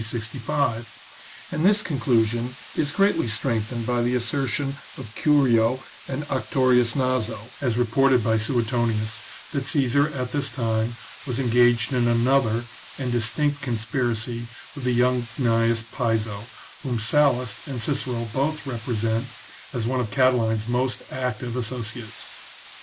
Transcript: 65 ; and this conclusion is greatly strengthened by the assertion of Curio and Actorius Naso, as reported by Suetonius, that Caesar at this time was engaged in another and distinct conspiracy with the young Gnaeus Piso, whom Sallust and Cicero both repre sent as one of Catiline's most active associates.